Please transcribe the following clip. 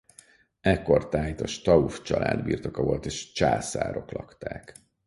Ekkortájt a Stauf-család birtoka volt és császárok lakták.